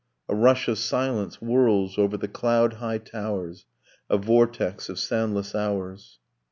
A rush of silence whirls over the cloud high towers, A vortex of soundless hours.